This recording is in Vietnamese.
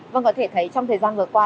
vâng có thể thấy trong thời gian vừa qua